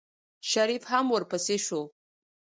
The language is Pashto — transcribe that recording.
شريف هم ورپسې شو.